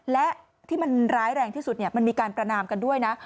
และที่มันร้ายแรงที่สุดมันมีการประนามกันด้วยนะ